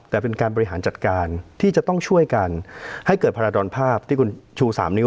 แต่เป็นการบริหารจัดการที่จะต้องช่วยกันให้เกิดพาราดรภาพที่คุณชู๓นิ้